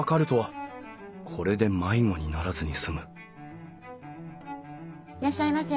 これで迷子にならずに済むいらっしゃいませ。